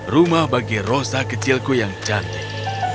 rumah bagi kucingku yang cantik